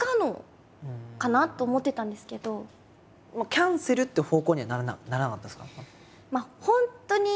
キャンセルって方向にはならなかったんですか？